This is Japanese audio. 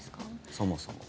そもそも。